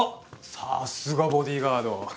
さすがボディーガード。